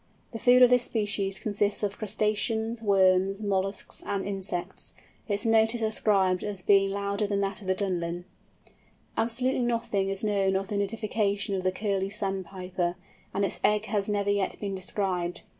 The food of this species consists of crustaceans, worms, molluscs, and insects. Its note is described as being louder than that of the Dunlin. Absolutely nothing is known of the nidification of the Curlew Sandpiper, and its egg has never yet been described.